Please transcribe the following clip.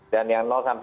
dan yang lima